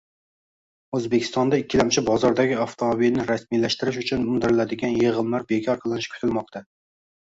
O‘zbekistonda ikkilamchi bozordagi avtomobilni rasmiylashtirish uchun undiriladigan yig‘imlar bekor qilinishi kutilmoqda